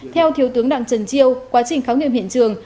theo thiếu tướng đặng trần triều quá trình khám nghiệm hiện trường